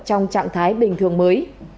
trong trạng thái bình thường mới